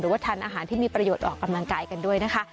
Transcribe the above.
ว่าทานอาหารที่มีประโยชน์ออกกำลังกายกันด้วยนะคะ